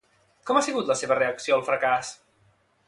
Com ha sigut la seva reacció al fracàs?